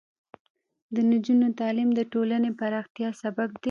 د نجونو تعلیم د ټولنې پراختیا سبب دی.